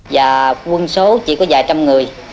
và quân số chỉ có vài trăm người